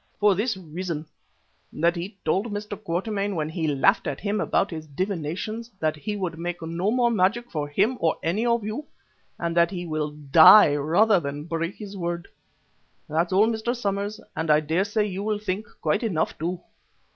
For this reason, that he told Mr. Quatermain when he laughed at him about his divinations that he would make no more magic for him or any of you, and that he will die rather than break his word. That's all, Mr. Somers, and I dare say you will think quite enough, too."